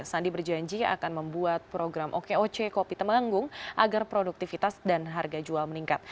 sandi berjanji akan membuat program okoc kopi temanggung agar produktivitas dan harga jual meningkat